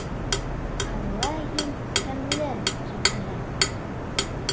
Ҡалай һин тәмле, Шакира!